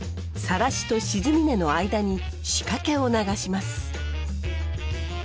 サラシと沈み根の間に仕掛けを流します。